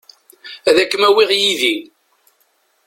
Ad kem-awiɣ yid-i.